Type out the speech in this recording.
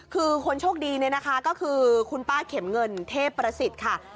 คือคนโชคดีเนี่ยนะคะก็คือคุณป้าเข็มเงินเทพประสิทธิ์ค่ะ